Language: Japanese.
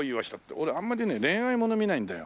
俺あんまりね恋愛もの見ないんだよ。